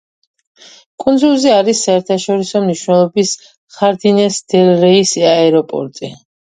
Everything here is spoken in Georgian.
კუნძულზე არის საერთაშორისო მნიშვნელობის ხარდინეს-დელ-რეის აეროპორტი.